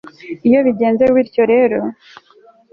iyo bigenze bityo rero